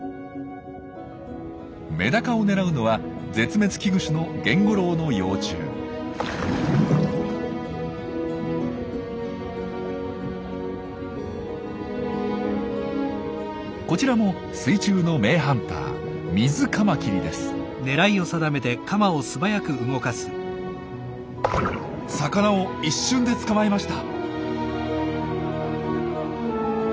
メダカを狙うのは絶滅危惧種のこちらも水中の名ハンター魚を一瞬で捕まえました。